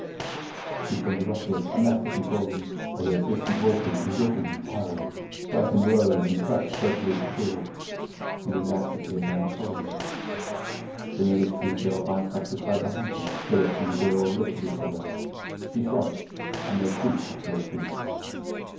He turned abruptly and left the control room. They heard distant voices exhorting him to hurry. [Illustration: 2] Brecken arose and crept furtively to the door. He leaned out to peer down the corridor. The nervous Truesdale bounced up to crowd behind him. Phillips and the girl looked at each other; she shrugged, and they too got to their feet.